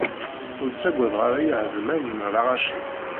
Ur ttaggadeɣ ara ihedman n lɣaci.